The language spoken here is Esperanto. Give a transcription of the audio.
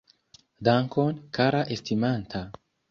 Dankon, kara estimanta